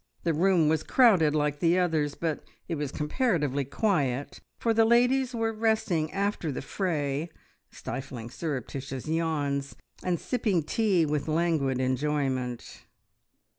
The room was crowded like the others, but it was comparatively quiet, for the ladies were resting after the fray, stifling surreptitious yawns, and sipping tea with languid enjoyment.